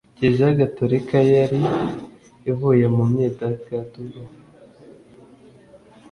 kiliziya gatolika yari ivuye mu myidagaduro